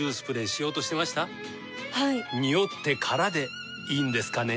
ニオってからでいいんですかね？